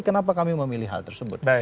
kenapa kami memilih hal tersebut